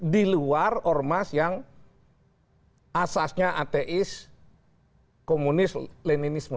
di luar ormas yang asasnya ateis komunis leninisme